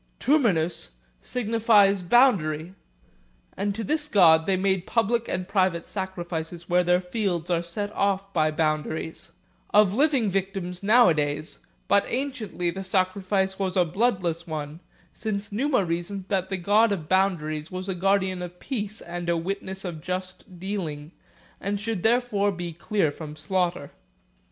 Terminus signifies boundary, and to this god they make public and private sacri fices where their fields are set off by boundaries; of living victims nowadays, but anciently the sacrifice was a bloodless one, since Numa reasoned that the god of boundaries was a guardian of peace and a witness of just dealing, and should therefore be clear from slaughter.